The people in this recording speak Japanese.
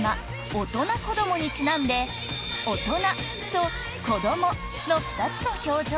「大人子ども」にちなんで大人と子どもの２つの表情